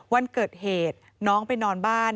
วันเกิดเหตุน้องไปนอนบ้าน